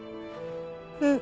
うん。